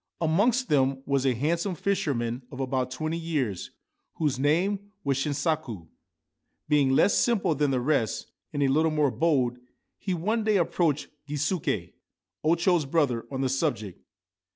Amongst them was a handsome fisherman of about twenty years whose name was Shinsaku. Being less simple than the rest, and a little more bold, he one day approached Gisuke, O Cho's brother, on the subject.